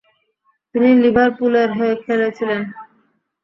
তিনি লিভারপুলের হয়ে খেলেছিলেন।